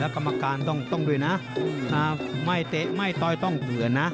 แล้วกรรมการต้องด้วยนะไม่ต้อยต้องเหลือนะ